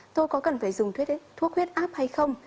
tôi có cần phải dùng thuyết thuốc huyết áp hay không